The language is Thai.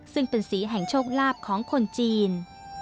ซึ่งเป็นสีแห่งโชคลาภของคนจีน